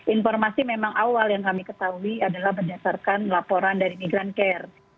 informasi memang awal yang kami ketahui adalah berdasarkan laporan dari migran care